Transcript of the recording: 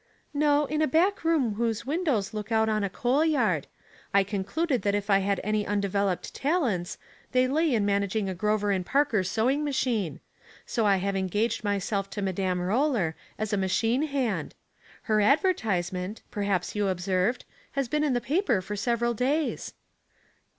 " No, in a back room whose windows look out on a coal yard. I concluded that if I had any undeveloped talents, they lay in managing a Grover & Baker sewing machine. So I have engaged myself to Madame Roller, as a machine hand. Her advertisement, perhaps you ob served, has been in the paper for several days.'